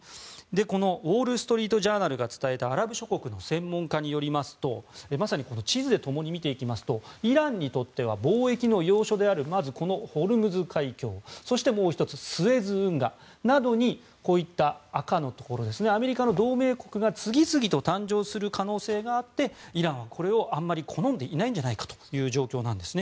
このウォール・ストリート・ジャーナルが伝えたアラブ諸国の専門家によりますとまさにこの地図でともに見ていきますとイランにとっては貿易の要所であるまずこのホルムズ海峡そしてもう１つスエズ運河などにこういった赤のところですねアメリカの同盟国が次々と誕生する可能性があってイランはこれをあまり好んでいないのではという状況です。